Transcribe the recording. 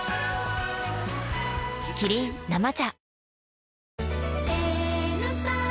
キリン「生茶」